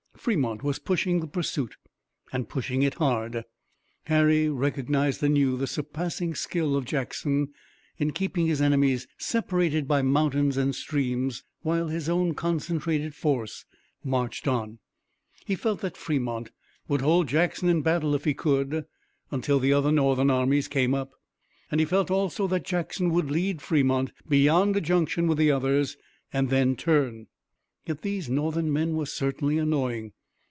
Fremont was pushing the pursuit and pushing it hard. Harry recognized anew the surpassing skill of Jackson in keeping his enemies separated by mountains and streams, while his own concentrated force marched on. He felt that Fremont would hold Jackson in battle if he could until the other Northern armies came up, and he felt also that Jackson would lead Fremont beyond a junction with the others and then turn. Yet these Northern men were certainly annoying.